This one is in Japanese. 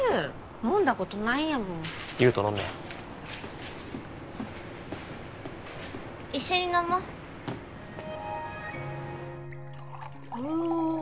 飲んだことないんやもん優と飲めよ一緒に飲もうおお